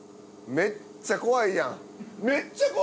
めっちゃ怖いやん！